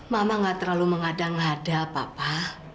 mama nggak terlalu mengada ngada papa